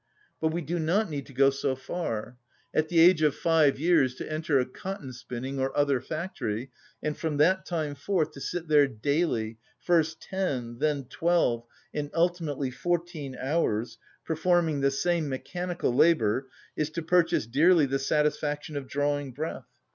But we do not need to go so far: at the age of five years to enter a cotton‐ spinning or other factory, and from that time forth to sit there daily, first ten, then twelve, and ultimately fourteen hours, performing the same mechanical labour, is to purchase dearly the satisfaction of drawing breath.